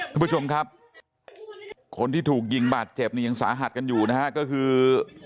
ทุกผู้ชมครับคนที่ถูกยิงบาดเจ็บเนี่ยยังสาหัสกันอยู่นะฮะก็คือ